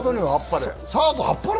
サードにはあっぱれ。